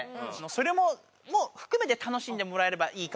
それも含めて楽しんでもらえればいいかなと。